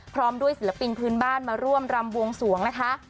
พร้อมด้วยศิลปินพื้นบ้านมาร่วมรำบวงสวงนะคะ